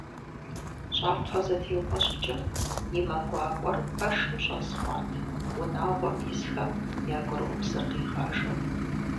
Щӏакхъуэзэтеупӏэщӏыкӏым и мэ гуакӏуэр пэшым щӏэз хъуат, унагъуэм исхэм я гурыӏупсыр къигъажэу.